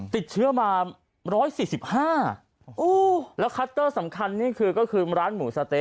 ติดเชื้อมา๑๔๕แล้วคัตเตอร์สำคัญนี่คือก็คือร้านหมูสะเต๊